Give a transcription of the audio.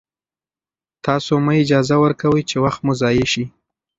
تاسو مه اجازه ورکوئ چې وخت مو ضایع شي.